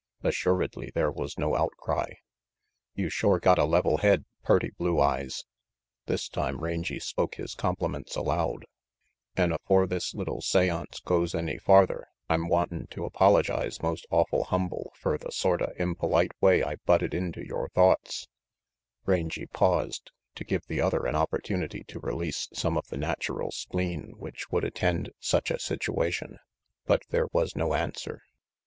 Assuredly there was no outcry. "You shore got a level head, purty Blue Eyes," this time Rangy spoke his compliments aloud, "an* afore this little seance goes any farther I'm wantin' to apologize most awful humble fer the sorta impo lite way I butted into yore thoughts Rangy paused, to give the other an opportunity to release some of the natural spleen which would attend such a situation. But there was no answer.